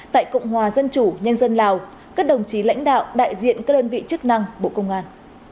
tại cộng hòa dân chủ nhân dân lào các đồng chí lãnh đạo đại diện các đơn vị chức năng bộ công an